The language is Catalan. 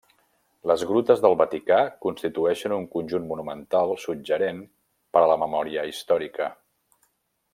Les grutes del Vaticà constitueixen un conjunt monumental suggerent per a la memòria històrica.